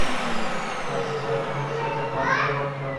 মানে রাস্তার অবস্থা এত খারাপ, এত গর্ত!